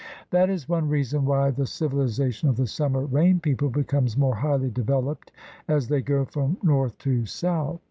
That is one reason why the civil ization of the summer rain people becomes more highly developed as they go from north to south.